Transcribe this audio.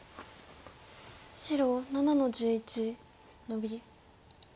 白７の十一ノビ。